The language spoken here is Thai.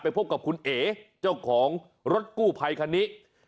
พบกับคุณเอ๋เจ้าของรถกู้ภัยคันนี้